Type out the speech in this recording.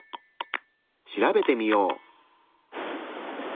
調べてみよう。